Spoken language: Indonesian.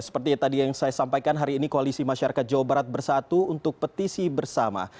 seperti tadi yang saya sampaikan hari ini koalisi masyarakat jawa barat bersatu untuk petisi bersama